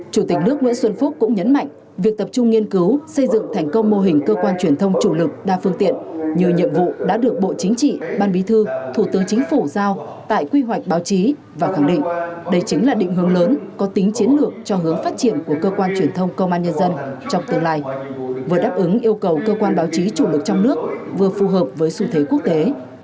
chủ tịch nước nguyễn xuân phúc cũng nhấn mạnh việc tập trung nghiên cứu xây dựng thành công mô hình cơ quan truyền thông chủ lực đa phương tiện như nhiệm vụ đã được bộ chính trị ban bí thư thủ tướng chính phủ giao tại quy hoạch báo chí và khẳng định đây chính là định hướng lớn có tính chiến lược cho hướng phát triển của cơ quan truyền thông công an nhân dân trong tương lai vừa đáp ứng yêu cầu cơ quan báo chí chủ lực trong nước vừa phù hợp với xu thế quốc tế